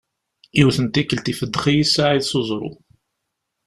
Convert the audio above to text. Yiwet n tikelt ifeddex-iyi Saɛid s uẓru.